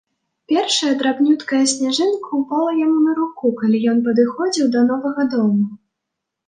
Першая драбнюткая сняжынка ўпала яму на руку, калі ён падыходзіў да новага дома.